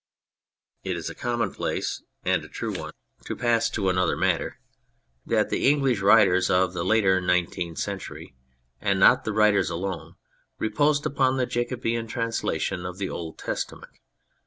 It is a commonplace, and a true one to pass to 59 On Anything another matter that the English writers of the later Nineteenth Century (and not the writers alone) reposed upon the Jacobean translation of the Old Testament.